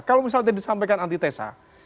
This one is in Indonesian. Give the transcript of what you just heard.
kalau misalnya tadi disampaikan antitesa